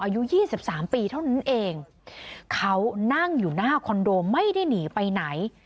อายุยี่สิบสามปีเท่านั้นเองเขานั่งอยู่หน้าคอนโดไม่ได้หนีไปไหน